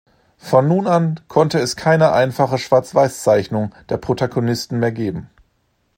Von nun an konnte es keine einfache Schwarz-Weiß-Zeichnung der Protagonisten mehr geben.